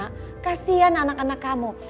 nah kasian anak anak kamu